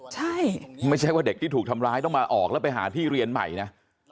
ใช่ไม่ใช่ว่าเด็กที่ถูกทำร้ายต้องมาออกแล้วไปหาที่เรียนใหม่นะ